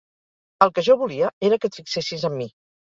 El que jo volia era que et fixessis en mi.